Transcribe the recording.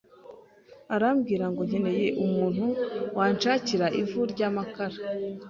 arambwirango nkeneye umuntu wanshakira ivu ry’amakara